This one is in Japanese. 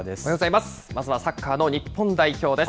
まずはサッカーの日本代表です。